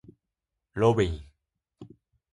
ロビン